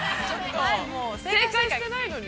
◆正解してないのに？